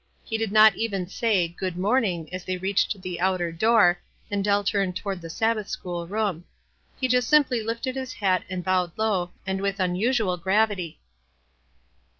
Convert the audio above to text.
He did not even say " Good morning" as they reached the outer door and Dell turned toward the Sabbath school room. He just simply lifted his bat and bowed low, and with unusual gravity.